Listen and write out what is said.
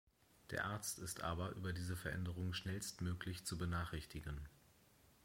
Der Arzt ist aber über diese Veränderung schnellstmöglich zu benachrichtigen.